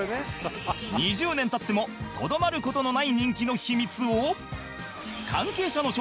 ２０年経ってもとどまる事のない人気の秘密を